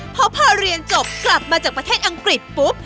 พอพอเรียนจบกลับมาจากประเทศอังกฤษปุ๊บ